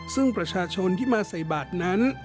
ซึ่งประชาชนที่มาใส่บาทนั้น